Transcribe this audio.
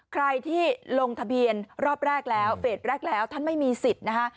ใครที่ลงทะเบียนรอบแรกแล้วเฟสแรกแล้วท่านไม่มีสิทธิ์นะคะ